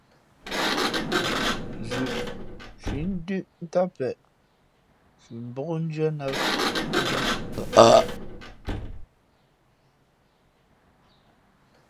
Zʉʼ síʼ ndʉ́ʼ ntám peʼe si mbókndʉ́ά nά ā lά bᾱ.